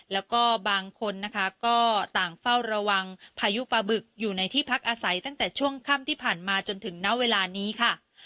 แล้วก็บางคนนะคะก็ต่างเฝ้าระวังพายุปลาบึกอยู่ในที่พักอาศัยตั้งแต่ช่วงค่ำที่ผ่านมาจนถึงณเวลานี้ค่ะ